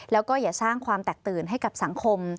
แล้วก็อย่าสร้างความแตกตื่นให้กับสังคม